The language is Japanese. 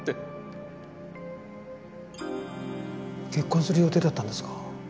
結婚する予定だったんですか？